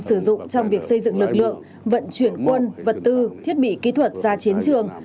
sử dụng trong việc xây dựng lực lượng vận chuyển quân vật tư thiết bị kỹ thuật ra chiến trường